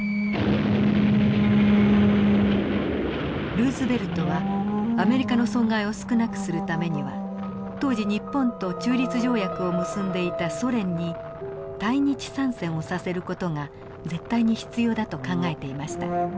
ルーズベルトはアメリカの損害を少なくするためには当時日本と中立条約を結んでいたソ連に対日参戦をさせる事が絶対に必要だと考えていました。